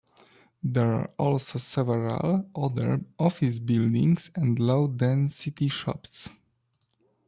There are also several other office buildings and low-density shops.